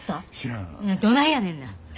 どないやねんな。